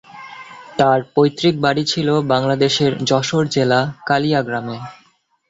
তার পৈতৃক বাড়ি ছিল বাংলাদেশের যশোর জেলা 'কালিয়া' গ্রামে।